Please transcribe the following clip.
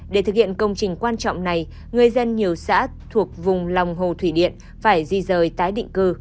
để thực hiện công trình quan trọng này người dân nhiều xã thuộc vùng lòng hồ thủy điện phải di rời tái định cư